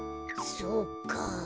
そうか。